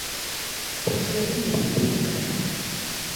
ფოთლები მიჰქრიან ქარდაქარ.